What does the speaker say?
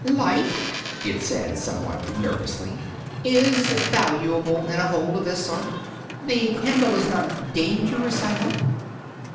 "Light," it said, somewhat nervously, "is valuable in a hole of this sort. The candle is not dangerous, I hope?"